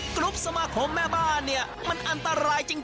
กรุ๊ปสมาคมแม่บ้านเนี่ยมันอันตรายจริง